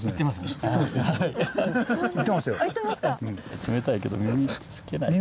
冷たいけど耳つけないと。